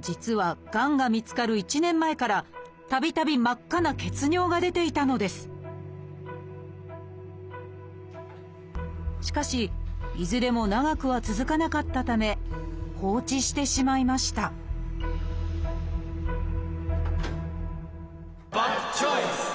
実はがんが見つかる１年前からたびたび真っ赤な血尿が出ていたのですしかしいずれも長くは続かなかったためバッドチョイス！